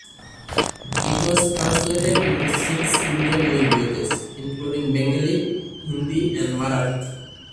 It was translated into six Indian languages, including Bengali, Hindi, and Marathi.